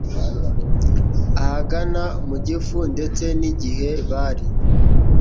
ahagana mu gifu. Ndetse n’igihe bari